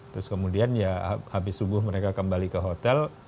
terus kemudian ya habis subuh mereka kembali ke hotel